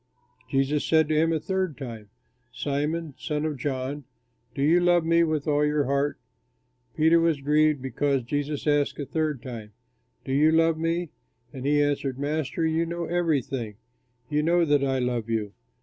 Jesus said to him a third time, "Simon, son of John, do you love me with all your heart?" Peter was grieved because Jesus asked a third time, "Do you love me?" And he answered, "Master, you know everything, you know that I love you."